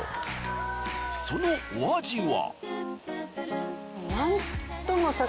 そのお味は。